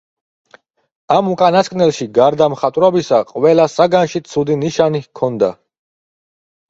ამ უკანასკნელში გარდა მხატვრობისა ყველა საგანში ცუდი ნიშანი ჰქონდა.